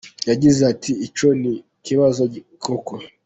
Yagize ati “Icyo ni ikibazo koko ?